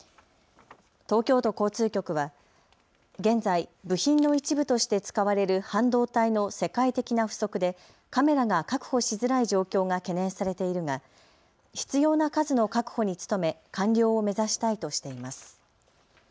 東京都交通局は現在、部品の一部として使われる半導体の世界的な不足でカメラが確保しづらい状況が懸念されているが必要な数の確保に努め完了を目指したいとしています。